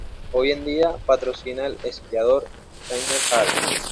Hoy en día, patrocina al esquiador Tanner Hall.